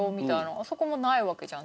あそこもないわけじゃん